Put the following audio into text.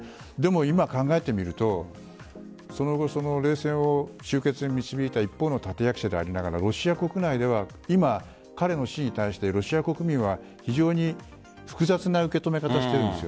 今、考えてみると、その後冷戦を終結に導いた一方の立役者でありながらロシア国内では今彼の死に対してロシア国民は非常に複雑な受け止め方をしているんです。